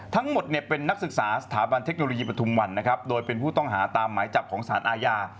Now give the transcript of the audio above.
ทั้งหมดเนี่ยเป็นนักศึกษาสถาบันเทคโนโลยีปฐุมวันนะครับโดยเป็นผู้ต้องหาตามหมายจับของสารอาญา